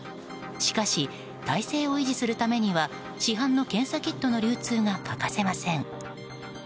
しかし、体制を維持するためには市販の検査キットの流通が欠かせません。